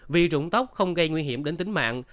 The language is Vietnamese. vì trụng tóc không gây nguy hiểm đến tính mạng